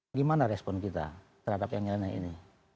bagaimana respon kita terhadap yang nilainya ini